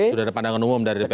sudah ada pandangan umum dari dpr